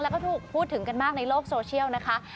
แล้วก็ถูกพูดถึงกันมากในโลกโซเชียลนะคะ